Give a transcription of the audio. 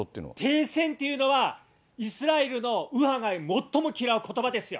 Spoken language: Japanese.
停戦というのは、イスラエルの右派が最も嫌うことばですよ。